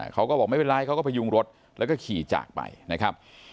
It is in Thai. เขาก็บอกไม่เป็นไรเขาก็พยุงรถแล้วก็ขี่จากไปนะครับ